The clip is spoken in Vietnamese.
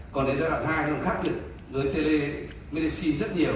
còn đấy ra là hai cái khác biệt với telemedicine rất nhiều